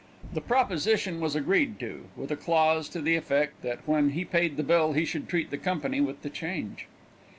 The proposition was agreed to, with a clause to the effect that when he paid the bill he should treat the company with the change.